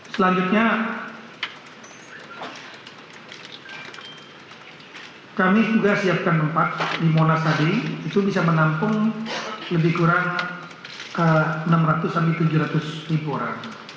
selanjutnya kami juga siapkan tempat di monas tadi itu bisa menampung lebih kurang enam ratus sampai tujuh ratus ribu orang